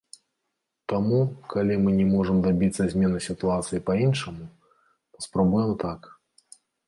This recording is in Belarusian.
Таму, калі мы не можам дабіцца змены сітуацыі па-іншаму, паспрабуем так.